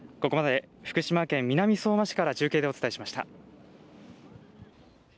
ここまで福島県南相馬市から中継でお伝えしました。